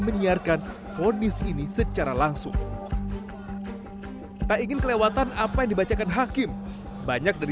menyiarkan kondisi ini secara langsung tak ingin kelewatan apa yang dibacakan hakim banyak dari